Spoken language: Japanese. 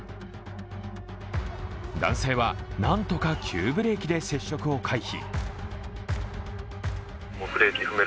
男性は何とか急ブレーキで接触を回避。